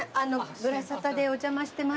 『ぶらサタ』でお邪魔してます。